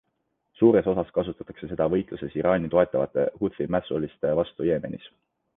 Suures osas kasutatakse seda võitluses Iraani toetatavate huthi mässuliste vastu Jeemenis.